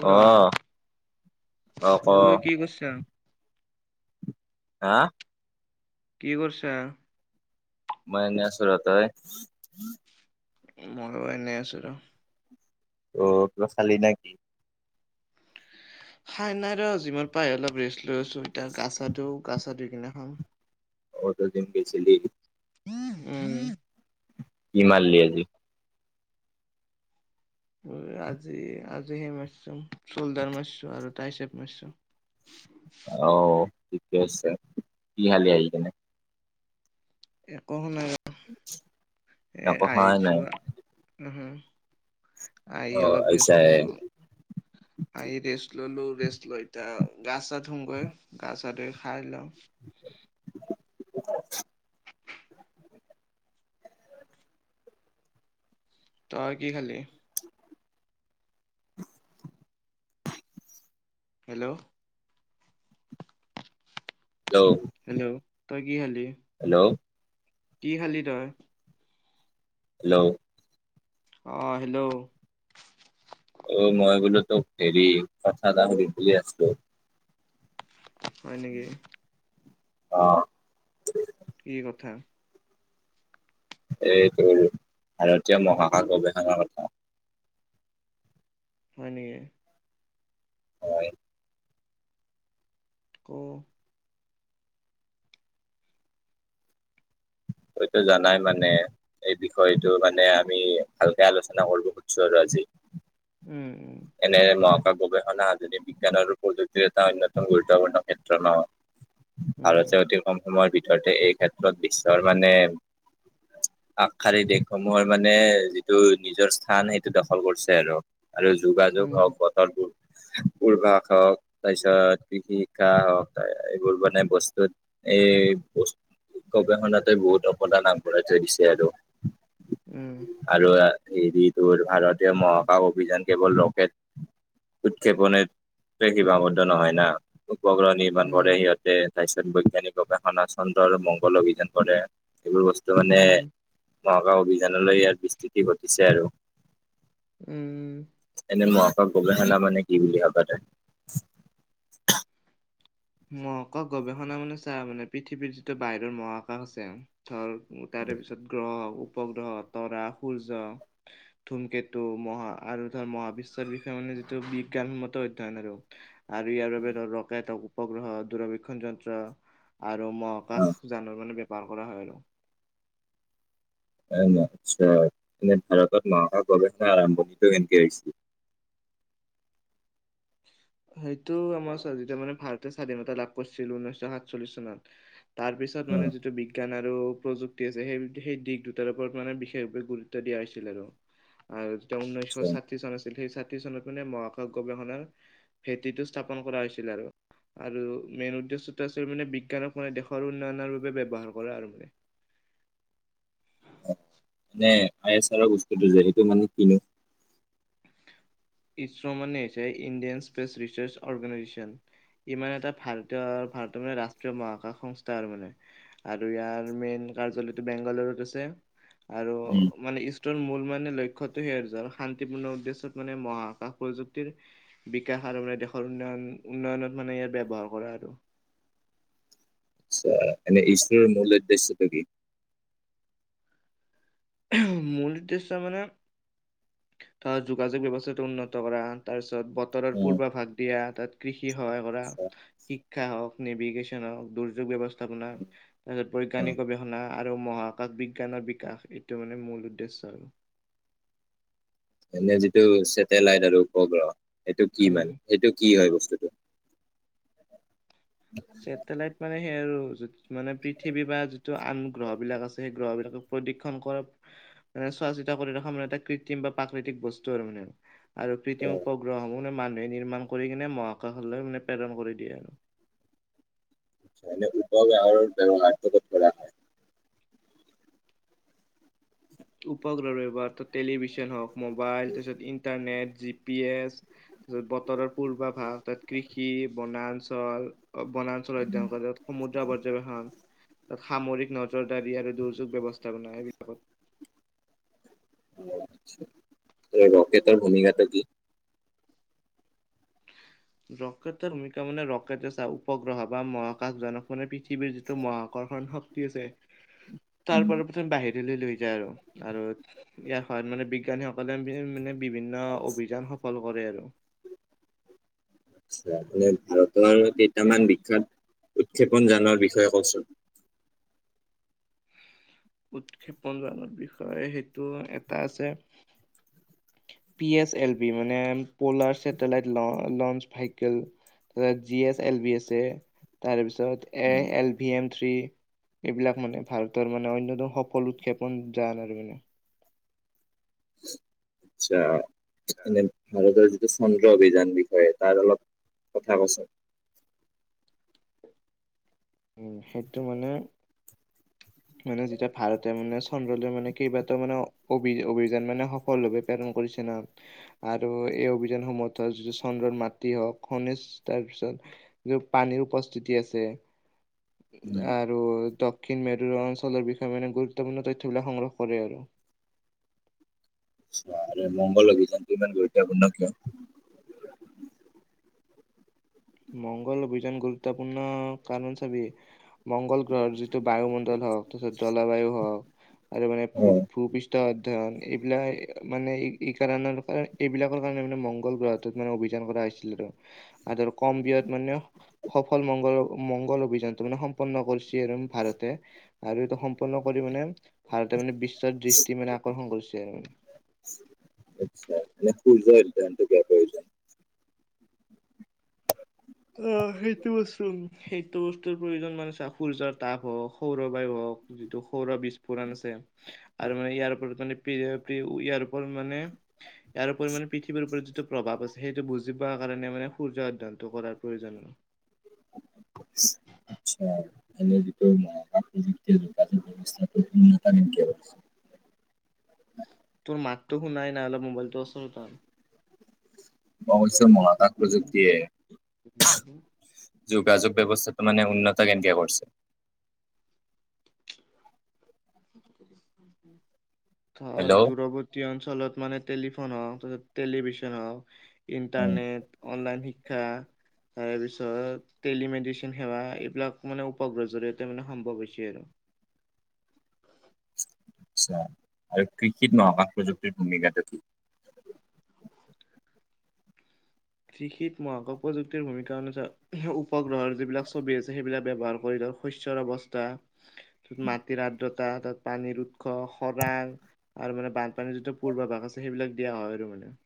অ', অ', ক' অই, কি কৰিছাঁ? হা? কি কৰিছাঁ? মই এনেই আছোঁ ৰ। তই? মইয়ো এনেই আছো ৰ। অ' কিবা খালি নে কি? খাই নাই আৰু জিমৰ পৰা আহি অলপ ৰেষ্ট লৈ আছোঁ, এতিয়া গা চা ধুও, গা চা ধুই কিনে খাম। অ, তই জিম গৈছিলি? উম'। কি মাৰিলি আজি? অই, আজি-আজি সেই মাৰিছোঁ চল্ডাৰ মাৰিছোঁ, আৰু টাই চেপ মাৰিছোঁ। অ, ঠিকে আছে। কি খালি আহি কিনে? একো খোৱা নাই একো। এ একো খোৱাই নাই আহিছোঁ আৰু। উম' হুম অ, আহিছাহে। আহি ৰেষ্ট ললোঁ, ৰেষ্ট লৈ এতিয়া গা চা ধোওঁগৈ, গা চা ধুই খাই লওঁ। [inaudible] তই কি খালি? হেল্ল' হেল্ল হেল্ল' তই কি খালি? হেল্ল' কি খালি তই? হেল্ল' অ', হেল্ল'। অ', মই বোলো তোক হেৰি কথা এটা শুধিম বুলি আছিলো। হয় নেকি। অ'। কি কথা। এই তোৰ ভাৰতীয় মহাকাশ গৱেষণাৰ কথা। হয় নেকি। হয়। ক। তইটো জানাই মানে এই বিষয়টো মানে আমি ভালকে আলোচনা কৰিব খুজিছো আৰু আজি। উম, উম। এনে মহাকাশ গৱেষণা যদি বিজ্ঞান আৰু প্ৰযুক্তিৰ এটা অন্যতম গুৰুত্বপূৰ্ণ ক্ষেত্ৰ ন। উম ভাৰতে অতি কম সময়ৰ ভিতৰতে এই ক্ষেত্ৰত বিশ্বৰ মানে আগশাৰী দেশসমূহৰ মানে যিটো নিজৰ স্থান সেইটো দখল কৰিছে আৰু। আৰু যোগাযোগ উম হওঁক বতৰবোৰ দূৰভাষ হওঁক তাৰপিছত [unintelligible] হওঁক এইবোৰ মানে বস্তুত এই বছ গৱেষণাতে বহুত অৱদান আগবঢ়াই থৈ দিছে আৰু। উম। আৰু হেৰিটোৰ ভাৰতীয় মহাকাশ অভিযান কেৱল ৰকেট উৎক্ষেপনে তে সীমাবদ্ধ নহয় না, উপগ্ৰহ নিৰ্মাণ উম কৰে সিহঁতে তাৰপিছত বৈজ্ঞানিক গৱেষণা চন্দ্ৰ আৰু মংগল অভিযান কৰে। এইবোৰ বস্তু মানে উম মহাকাশ অভিযানলৈ ইয়াৰ বিস্তৃতি ঘটিছে আৰু। উম। এনে মহাকাশ গবেষণা মানে কি বুলি ভাবা তই। মহাকাশ গৱেষণা মানে চা মানে পৃথিৱীৰ যিটো বাহিৰৰ মহাকাশ আছে ধৰ তাৰে পিছত গ্ৰহ, উপগ্ৰহ, তৰা, সূৰ্য। ধুমকেতু মহা আৰু ধৰ মহাবিশ্বৰ বিষয়ে মানে যিটো বিজ্ঞানন্মত অধ্যয়ন আৰু। আৰু ইয়াৰ বাবে ধৰ ৰকেট হওঁক উপগ্ৰহ, দূৰবক্ষণ যন্ত্ৰ আৰু অ মহাকাশ জানৰ মানে [unintelligible] কৰা হয় আৰু। [unintelligible] আচ্ছা, এনে ভাৰতত মহকাশ গৱেষণা আৰম্ভ [unintelligible] কেনকে আহিছিল? সেইটো আমাৰ চোৱা যেতিয়া মানে ভাৰতে স্বাধীনতা লাভ কৰিছিল ঊনৈশ সাতচল্লিশ চনত। তাৰ পিছত অ মানে যিটো বি বিজ্ঞান আৰু প্ৰযুক্তি আছে, সেই- সেই দিশ দুটাৰ ওপৰত মানে বিশেষভাৱে গুৰুত্ব দিয়া হৈছিল আৰু। আৰু যেতিয়া আচ্ছা ঊনৈছশ চাঠি চন আছিল, সেই চাঠি চনত মানে মহাকাশ গৱেষণাৰ ভেটিটো স্থাপন কৰা হৈছিল আৰু। আৰু মেইন উদ্দেশ্যটো আছিল মানে বিজ্ঞানক মানে দেশৰ উন্নয়নৰ বাবে ব্যৱহাৰ কৰে আৰু মানে। এনে আই এছ আৰৰ বস্তুটো যেহেতু মানে কিনো ইছ ৰ' মানে হৈছে ইণ্ডিয়ান স্পেচ ৰিচাৰ্চ অৰ্গেনাইজেচন। ইমান এটা ভাৰতীয় ভাৰতৰ মানে ৰাষ্ট্ৰীয় মহাকাশ সংস্থা আৰু মানে। আৰু ইয়াৰ মেইন কাৰ্যালয়টো বেংগালুৰুত আছে। আৰু উম, মানে ইষ্টৰ মূল মানে লক্ষ্যটো সেয়া আৰু-আৰু শান্তিপূৰ্ণ উদ্দেশ্য চত মানে মহাকাশ প্ৰযুক্তিৰ বিকাশ আৰু মানে দেশৰ উন্নয়ন উন্নয়নত মানে ইয়াৰ ব্যৱহাৰ কৰা আৰু। আ এনে ইছৰ'ৰ মূল উদ্দেশ্যটো কি? মূল উদ্দেশ্য মানে ধৰা যোগাযোগ ব্যৱস্থাটো উন্নত কৰা তাৰপিছত ব তৰৰ অ পূৰ্বা ভাগ দিয়া, তাত কৃষি সহায় কৰা, আচ্ছা শি ক্ষা হওক, নিভিগেশ্যন হওক, দুৰ্যোগ ব্যৱস্থাপনা তাৰপিছত অ বৈজ্ঞানিক গৱেষণা। আৰু মহাকাশ বিজ্ঞানৰ বিকাশ এইটো মানে মূল উদ্দেশ্য আৰু। এনে যিটো চেটেলাইট আৰু উপগ্ৰহ, সেইটো কি উম মানে সেইটো কি হয় বস্তুটো? ছেটেলাইট মানে সেই আৰু মানে পৃথিৱী বা যিটো আন গ্ৰহবিলাক আছে সেই গ্ৰহবিলাকক প্ৰদিক্ষন কৰ মানে চোৱাচিতা কৰি ৰখা মানে এটা কৃত্ৰিম বা প্ৰাকৃতিক বস্তু আৰু মানে। আৰু কৃতিম উপগ্ৰহসমূহ মানে মানুহে নিৰ্মাণ কৰি কিনে মহাকাশলৈ মানে প্ৰেৰণ কৰি দিয়ে আৰু। এনে উপগ্ৰাহৰ ব্যৱহাৰটো ক'ত কৰা? হয়? উপগ্ৰহৰ ব্যৱহাৰটো টেলিভিছন হওক, মোবাইল তাৰপিছত ইণ্টাৰনেট, জি পি এছ যত বতৰৰ পূৰ্বাভাষ তাত কৃষি, বনাঞ্চল বনাঞ্চল অধ্যয়ন কৰে তাত সমুদ্ৰ পৰ্যবেক্ষণ তাত সামৰিক নজৰদাৰী আৰু দুৰ্যোগ ব্যৱস্থাপনা সেই ৰকেটৰ ভূমিকাটো কি? ৰকেটৰ ভূমিকা মানে ৰকেটে চা উপগ্ৰহ বা মহাকাশ জনক মানে পৃথিৱীৰ যিটো মহাকৰ্ষণ শ ক্তি আছে [unintelligible] তাৰ পৰা প্ৰথম বাহিৰলৈ লৈ যায় আৰু, আৰু ইয়াৰ সহায়ত মানে বিজ্ঞানীসকলে বি মানে বিভিন্ন অভিযান সফল কৰে আৰু। মানে ভাৰতৰ কেইটামান বিখ্যাত উৎক্ষেপন জানৰ বিষয়ে কছোন? উৎক্ষেপন জানৰ বিষয়ে সেইটো এটা আছে পি এছ এল বি মানে polar satellite launch vehicle তাপিছত জি এছ এল বি আছে তাৰপিছত এ এল ভি এম থ্ৰী এইবিলাক মানে ভাৰতৰ মানে অন্যতম সফল উৎক্ষেপন যান আৰু মানে। আচ্ছা, এনে ভাৰতৰ টো চন্দ্ৰ অভিযান বিষয়ে তাৰ অলপ কথা কচোন? উম সেইটো মানে মানে যেতিয়া ভাৰতে মানে চ ন্দ্ৰলৈ মানে কেইবাটাও মানে অভি অভিযান মানে সফল ভাৱে প্ৰেৰণ কৰিছে না আৰু এই অভিযানসমূহত ধৰ যিটো চন্দ্ৰৰ মাটি হওক খনিজ তাৰপিছত পানীৰ উপস্থিতি আছে। আৰু দক্ষিণ মেৰু অঞ্চলৰ বিষয়ে মানে গুৰুত্বপূৰ্ণ তথ্যবিলাক সংগ্ৰহ কৰে আৰু। অ মংগল অভিযানটো ইমান গুৰুত্বপূৰ্ণ কিয়? মংগল অভিযান গুৰুত্বপূৰ্ণ কাৰণ চাবি মংগল গ্ৰহৰ যিটো বায়ুমণ্ডল হওক তাৰপিছত জলবায়ু হওক আৰু মানে ভু অ', ভু পৃষ্ ঠ অধ্যয়ন এইবিলাক মানে এই কাৰণৰ কাৰ এইবিলাকৰ কাৰণে মানে মংগল গ্ৰহ টোত মানে অভিযান কৰা হৈছিল আৰু আদাৰ কম ব্যয়াত মানে সফল মংগল মংগল অভিযানটো মানে সম্পন্ন কৰ্ছি আৰু ভাৰতে আৰু এইটো সম্পূৰ্ণ কৰি মানে ভাৰতে মানে বিশ্বৰ দৃষ্টি মানে আকৰ্ষণ কৰিছে আৰু। আচ্ছা [unintelligible] অ সেইটো বস্তু সেইটো বস্তুৰ প্ৰয়োজন মানে চা সূৰ্যৰ তাপ হওক সৌৰ বায়ু হওক যিটো সৌৰ বিস্ফোৰণ আছে আৰু মানে ইয়াৰ ওপৰত মানে প্ৰি প্ৰি ইয়াৰ ওপৰত মানে ইয়াৰ উপৰি মানে পৃথিৱীৰ প্ৰতিটো প্ৰভাৱ আছে সেইটো বুজি পোৱা কাৰণে মানে সূৰ্য অধ্যয়নটো কৰাৰ প্ৰয়োজন। আচ্ছা। মানে যিটো মহাকাশটো যেতিয়া যোগাযোগ ব্যৱস্থাটো উন্নত কেনেকে কৰিছিল? তোৰ মাতটো শুনাই নাই অলপ মোবাইলটো ওচৰত আন। মই কৈছো মহাকাশ প্ৰযুক্তিয়ে আন যোগাযোগ ব্যৱস্থাটো মানে উন্নত কেন্কে কৰ্ছি? হেল্ল' ধৰ দূৰৰ্ৱ তী অঞ্চলত মানে টেলিফোন হওক তাৰপিছত টেলিভিশন হওক উম ইণ্টাৰনেট, অনলাইন শি ক্ষা তাৰ পিছত টেলিমেডিচিন সেৱা এইবিলাক মানে উপগ্ৰহৰ জৰিয়তে মানে সম্ভৱ হৈছে আৰু। আচ্ছা আৰু কৃষিত মহাকাশ প্ৰযুক্তিৰ ভূমিকাটো কি? কৃষিত মহাকাশ প্ৰযুক্তিৰ ভূমিকা অনুযায়ী উপগ্ৰহৰ যিবিলাক ছবি আছে সেইবিলাক ব্যৱহাৰ কৰি লও। শস্যৰ অৱস্থা, ত মাটিৰ আৰ্দ্ৰতা, তাত পানীৰ উৎস খৰাং। আৰু মানে বানপানীৰ যিটো পূৰ্বভাগ আছে, সেইবিলাক দিয়া হয় আৰু মানে।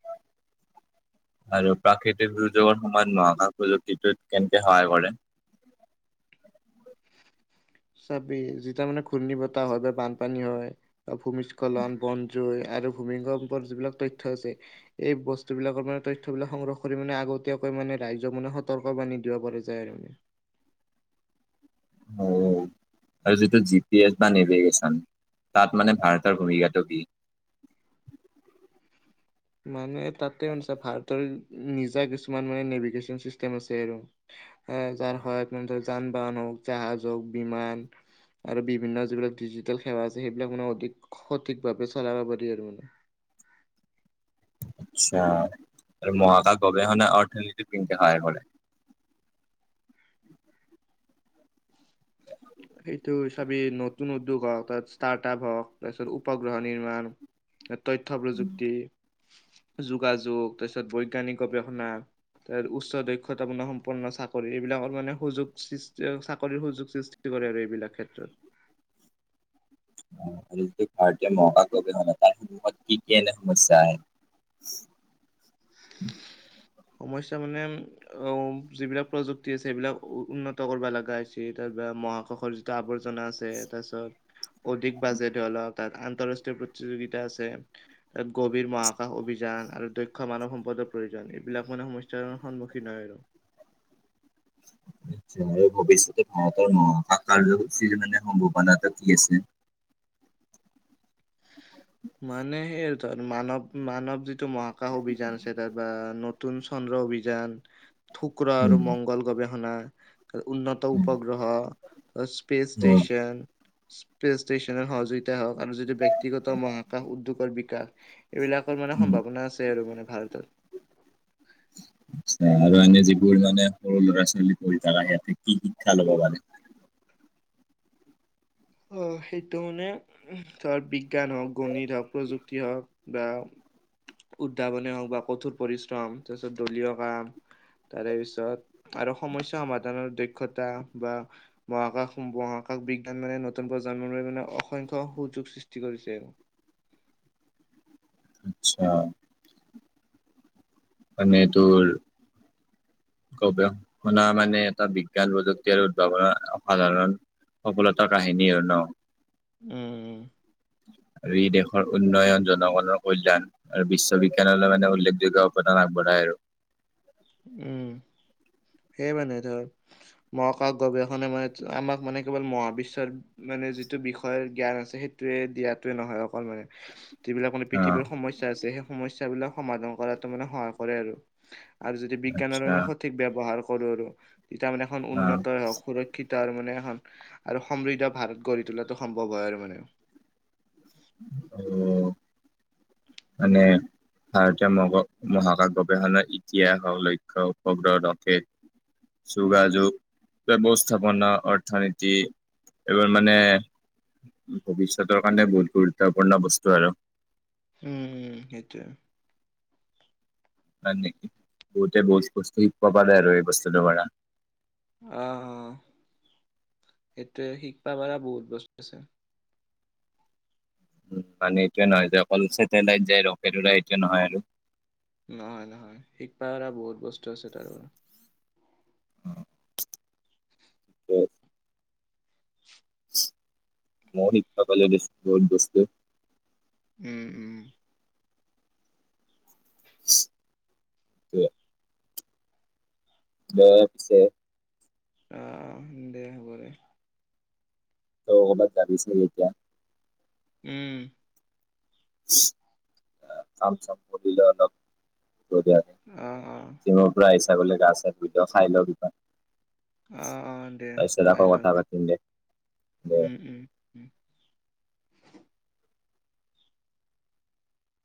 আৰু প্ৰাকৃতিক দুৰ্যোগৰ সময়ত মহাকাশ প্ৰযুক্তিটোত কেনেকে সহায় কৰে? চাবি যেতিয়া মানে ঘূৰ্ণি বতাহ হয় বা বানপানী হয়। ভূমিস্খলন, বনজুই আৰু ভূমিকম্পৰ যিবিলাক তথ্য আছে। এই বস্তু বিলাকৰ মানে তথ্যবিলাক সংগ্ৰহ কৰি মানে আগতীয়াকৈ মানে ৰাইজক মানে সতৰ্কবাণী বানি দিব পাৰে। যায় আৰু মানে। হয়। আৰু যিটো জি পি এছ বা নেভিগেশ্বন তাত মানে ভাৰতৰ ভূমিকাটো কি? মানে তাতে মানে ভাৰতৰ নিজা কিছুমান মানে নেভিগেশ্বন চিষ্টেম আছে আৰু। এ যাৰ হয় ধৰক যান-বাহন হওক, জাহাজ হওক, বিমান। আৰু বিভিন্ন যিবিলাক ডিজিটেল সেৱা আছে, সেইবিলাক মানে অধিক সঠিকভাৱে চলাব পাৰি আৰু মানে। আচ্ছা আৰু মহাকাশ গৱেষণা অৰ্থনীতিত কেনেকে সহায় কৰে? উম' [inaudible] সেইটো চাবি নতুন উদ্যোগ হওক, তাত ষ্টাৰ্টআপ হওক, তাৰপিছত উপগ্ৰহ নিৰ্মাণ। তথ্য প্ৰযুক্তি, যোগাযোগ তাৰপিছত বৈজ্ঞানিক গৱেষণা। তাত উচ্চ দক্ষতা গুণ সম্পন্ন চাকৰি এইবিলাকৰ মানে সুযোগ সৃষ্টি, চাকৰিৰ সুযোগ। সৃষ্টি কৰে আৰু এইবিলাক ক্ষেত্ৰত। আৰু যিটো ভাৰতীয় মহাকাশ গৱেষণা তাৰ সন্মুখত কি-কি এনে সমস্যা আহে? [inaudible] সমস্যা মানে অ, যিবিলাক প্ৰযুক্তি আছে, সেইবিলাক উন্নত কৰিব লগা হৈছে। তাৰপৰা মহাকাশৰ যি আৱৰ্জনা আছে। তাৰপিছত অধিক বাজেট অলপ তাত আন্তঃৰাষ্ট্ৰীয় প্ৰতিযোগিতা আছে। তাত গভীৰ মহাকাশ অভিযান আৰু দক্ষ দক্ষ মানৱ সম্পদৰ প্ৰয়োজন, এইবিলাক মানে সমস্যাৰ সন্মুখীন হয় আৰু। আচ্ছা, ভৱিষ্যতে ভাৰতৰ মহাকাশ কাৰ্যসূচীৰ মানে সম্ভাৱনাটো কি আছে? মানে সেই তাত মানৱ-মানৱ যিটো মহাকাশ অভিযান আছে, তাত বা নতুন চন্দ্ৰ অভিযান, শুক্ৰ আৰু উম, মংগল গৱেষণা। উন্নত উপগ্ৰহ, স্পেচ অ', ষ্টেচন। স্পেচ ষ্টেচনৰ সহযোগিতা হওক আৰু যিটো ব্যক্তিগত মহাকাশ উদ্যোগৰ বিকাশ এইবিলাকৰ মানে উম, সম্ভাৱনা আছে আৰু মানে ভাৰতত। আচ্ছা আৰু এনে যিবোৰ মানে সৰু ল'ৰা-ছোৱালী পঢ়ি থকা, সিহঁতে কি শিক্ষা ল'ব পাৰে? অ'হ, সেইটো মানে ধৰ বিজ্ঞান হওক, গণিত হওক, প্ৰযুক্তি হওক বা উদ্ভাৱনে হওক বা কঠোৰ পৰিশ্ৰম তাৰপিছত দলীয় কাম তাৰে পিছত আৰু সমস্যা সমাধানৰ দক্ষতা বা মহাকাশ, মহাকাশ বিজ্ঞান মানে নতুন প্ৰজন্ম লৈ মানে অসংখ্য সুযোগ সৃষ্টি কৰিছে। আচ্ছা। মানে তোৰ গৱেষণা মানে এটা বিজ্ঞান প্ৰযুক্তি আৰু উদ্ভাৱনৰ অসাধাৰণ সফলতাৰ কাহিনী আৰু ন। উম' উম' আৰু ই দেশৰ উন্নয়ন, জনগণৰ কল্যাণ আৰু বিশ্ববিজ্ঞানলৈ মানে উল্লেখযোগ্য অৱদান আগবঢ়ায় আৰু। উম' সেই মানে ধৰ, মহাকাশ গৱেষণে মানে আমাক মানে কেৱল মহাবিশ্বৰ মানে যিটো বিষয়ে জ্ঞান আছে, সেইটোৱে দিয়াটোৱে নহয় অকল মানে। যিবিলাক মানে অ', পৃথিৱীৰ সমস্যা আছে সেই সমস্যাাবিলাক সমাধান কৰাতো মানে সহায় কৰে আৰু। আৰু যদি বিজ্ঞানৰো আচ্ছা আমি সঠিক ব্যৱহাৰ কৰো আৰু তেতিয়া আমাৰ এখন অ', উন্নত হওক সুৰক্ষ কিটা আৰু মানে এখন আৰু সমৃদ্ধ ভাৰত গঢ়ি তোলাটো সম্ভৱ হয় আৰু মানে। অ মানে ভাৰতীয় মগ মহাকাশ গৱেষণাৰ ইতিহাস লক্ষ্য উপব্ৰকেত যোগাযোগ, ব্যৱস্থাপনা, অৰ্থনীতি এইবোৰ মানে ভৱিষ্যতৰ কাৰণে বহুত গুৰুত্বপূৰ্ণ বস্তু আৰু। উম উম সেইটোৱে। হয় নেকি? বহুতে বহুত বস্তু শিকিব পাৰে আৰু এই বস্তুটো পৰা। অ অ সেইটোৱে শিকব পাৰা বহুত বস্তু আছে। উম মানে এইটোয়ে নহয় যে অকল ছেটেলাইট যায় ৰকেট ওলাই এইটোৱে নহয় আৰু নহয় নহয়, শিকবা পাৰা বহুত বস্তু আছে তাৰ অ ঠিকে। চু মহিত থাক য জবৰদস্তি উম উম। [unintelligible] ব পিছে আ দে হ'ব দে। ত বত গাবিছনে দেতিয়া। উম। চু কাম - চাম কৰিলে অলপ ধিয় দে অ অ। পৰা আহি চাবলৈ গা চা ধুই খাই লওঁ কিবা। অ অ দে তাৰপিছত খাই আকৌ লওঁ কথা দে পাতিম দে। উম উম উম